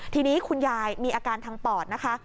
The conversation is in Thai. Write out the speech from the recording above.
ทีนี้คุณยายมีอาการทางปอดนะคะ